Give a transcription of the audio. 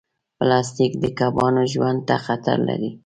پلاستيک د کبانو ژوند ته خطر لري.